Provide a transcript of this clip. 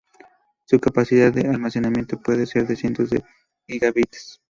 Su capacidad de almacenamiento puede ser de cientos de gigabytes.